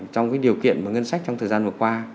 trong cái điều kiện mà ngân sách trong thời gian vừa qua